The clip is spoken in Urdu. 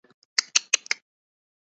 اور انوشکا شرما سرِ فہرست ہیں